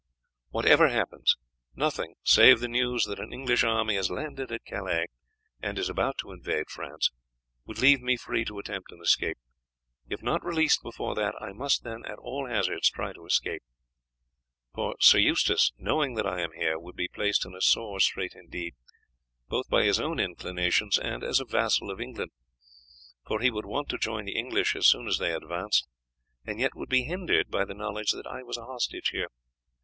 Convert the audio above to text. Whatever happens, nothing, save the news that an English army has landed at Calais, and is about to invade France, would leave me free to attempt an escape. If not released before that, I must then, at all hazards, try to escape, for Sir Eustace, knowing that I am here, would be placed in a sore strait indeed; both by his own inclinations and as a vassal of England, for he would want to join the English as soon as they advanced, and yet would be hindered by the knowledge that I was a hostage here.